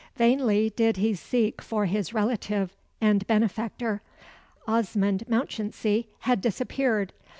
Vainly did he seek for his relative and benefactor. Osmond Mounchensey had disappeared.